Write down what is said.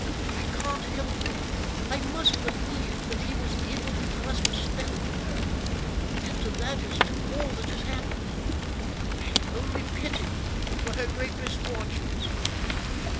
I can't help it. I must believe that he was able to cast a spell on her; and to that is due all that has happened. I have only pity for her great misfortunes."